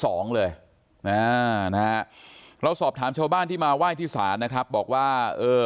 สองเลยเราสอบถามชาวบ้านที่มาไหว้ที่ศาลนะครับบอกว่า